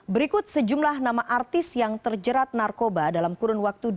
berikut sejumlah nama artis yang terjerat narkoba dalam kurun waktu dua ribu tujuh belas